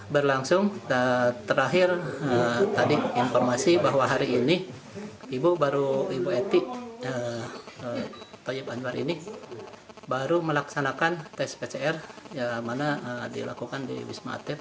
berlangsung terakhir tadi informasi bahwa hari ini ibu baru ibu eti toyib anwar ini baru melaksanakan tes pcr yang mana dilakukan di wisma atlet